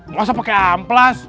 nggak usah pakai amplas